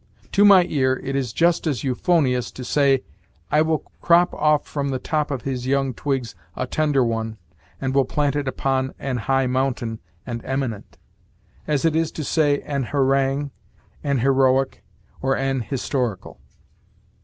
To my ear it is just as euphonious to say, "I will crop off from the top of his young twigs a tender one, and will plant it upon an high mountain and eminent," as it is to say an harangue, an heroic, or an historical.